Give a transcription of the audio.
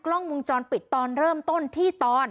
กล้องวงจรปิดตอนเริ่มต้นที่ตอน